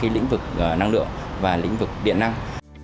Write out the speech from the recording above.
là lĩnh vực điện năng